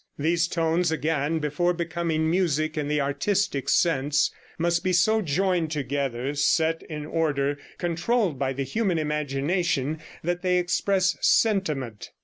These tones, again, before becoming music in the artistic sense, must be so joined together, set in order, controlled by the human imagination, that they express sentiment.